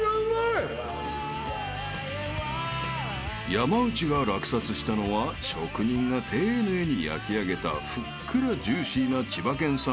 ［山内が落札したのは職人が丁寧に焼き上げたふっくらジューシーな千葉県産